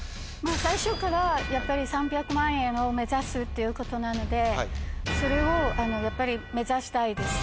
最初からやっぱり３００万円を目指すっていうことなのでそれをやっぱり目指したいです。